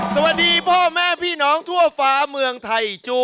สวัสดีพ่อแม่พี่น้องทั่วฟ้าเมืองไทยจู